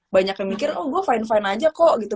banyak yang mikir oh gue fine fine aja kok gitu